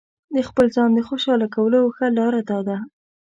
د خپل ځان د خوشاله کولو ښه لاره داده.